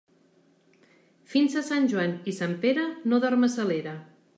Fins a Sant Joan i Sant Pere, no dormes a l'era.